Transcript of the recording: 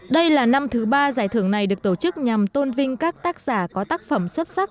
đây là năm thứ ba giải thưởng này được tổ chức nhằm tôn vinh các tác giả có tác phẩm xuất sắc